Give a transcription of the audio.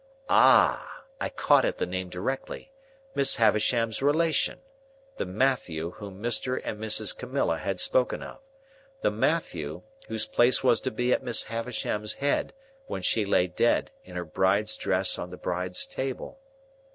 Ah! I caught at the name directly. Miss Havisham's relation. The Matthew whom Mr. and Mrs. Camilla had spoken of. The Matthew whose place was to be at Miss Havisham's head, when she lay dead, in her bride's dress on the bride's table.